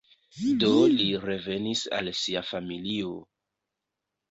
Do li revenis al sia familio.